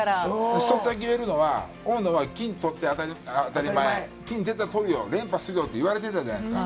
一つだけ言えるのは、大野は金とって当たり前、金絶対とるよ、連覇するよっていわれてたじゃないですか。